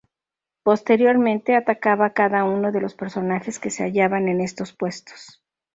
Posteriormente, atacaba a cada uno de los personajes que se hallaban en estos puestos.